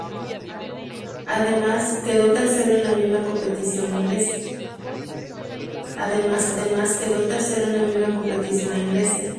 Además, quedó tercero en la misma competición en Grecia.